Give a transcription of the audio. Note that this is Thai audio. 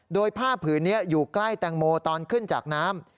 โดยผ้าผืนนี้อยู่ใกล้แตงโมตอนขึ้นจากน้ำ